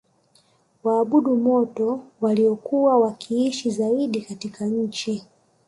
waabudu moto waliokuwa wakiishi zaidi katika nchi